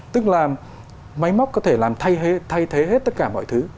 tức là máy móc có thể làm thay thế hết tất cả mọi thứ